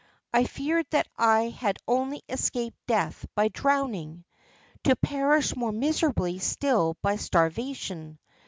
I feared that I had only escaped death by drowning, to perish more miserably still by starvation.